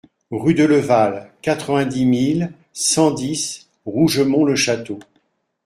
Rue de Leval, quatre-vingt-dix mille cent dix Rougemont-le-Château